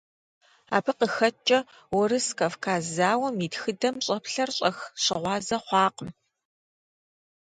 Абы къыхэкӀкӀэ Урыс-Кавказ зауэм и тхыдэм щӀэблэр щӀэх щыгъуазэ хъуакъым.